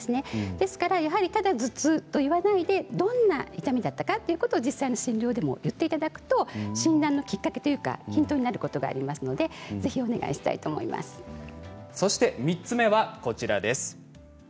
ですから、ただ頭痛と言わないでどんな痛みだったかということも実際の診療でも言っていただくと診断のきっかけというか３つ目は、こちらです。